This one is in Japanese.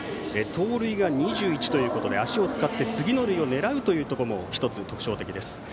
盗塁が２１ということで足を使って次の塁を狙うというところも１つ特徴的です。